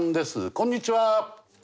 こんにちは。